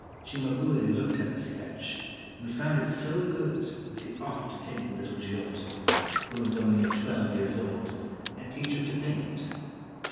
Cimabue looked at the sketch, and found it so good that he offered to take the little Giotto — who was only twelve years old — and teach him to paint.